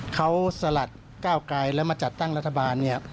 เขาสลัดก้าวไกลแล้วมาจัดตั้งรัฐบาลเนี่ย